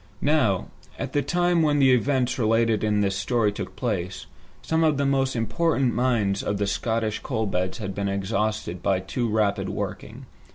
Now, at the time when the events related in this story took place, some of the most important mines of the Scottish coal beds had been exhausted by too rapid working.